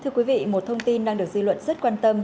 thưa quý vị một thông tin đang được dư luận rất quan tâm